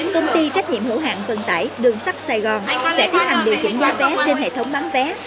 công ty trách nhiệm hữu hạng vận tải đường sắt sài gòn sẽ tiến hành điều chỉnh giá vé trên hệ thống bán vé